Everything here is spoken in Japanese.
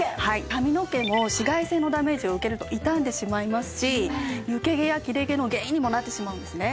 髪の毛も紫外線のダメージを受けると傷んでしまいますし抜け毛や切れ毛の原因にもなってしまうんですね。